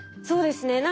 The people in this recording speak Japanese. そうですね。